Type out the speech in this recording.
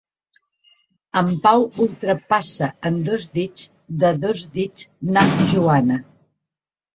En Pau ultrapassa en dos dits, de dos dits na Joana.